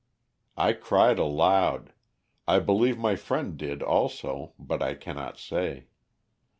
I cried aloud; I believe my friend did also, but I cannot say.